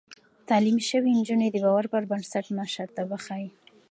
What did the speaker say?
تعليم شوې نجونې د باور پر بنسټ مشرتابه ښيي.